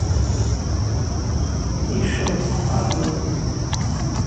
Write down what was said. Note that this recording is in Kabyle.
Yecceḍ-d seg uqermud.